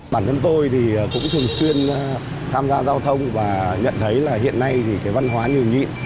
bản thân tôi thì cũng thường xuyên tham gia giao thông và nhận thấy là hiện nay thì cái văn hóa nhiều nhịn